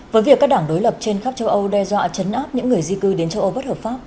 với việc các đảng đối lập trên khắp châu âu đe dọa chấn áp những người di cư đến châu âu bất hợp pháp